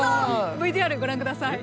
ＶＴＲご覧下さい。